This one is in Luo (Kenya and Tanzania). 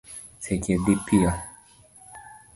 Seche dhi piyo